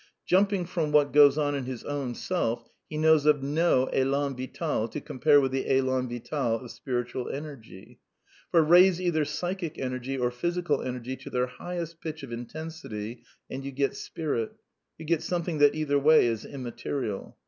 Jumping from what goes on in his own self, he knows of no elan vital to compare with the elan vital of spiritual energy. For, raise either psychic energy or physical energy to their highest pitch of intensity, and you get Spirit ; you get some thing that, either way, is immaterial.